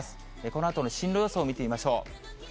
このあとの進路予想見てみましょう。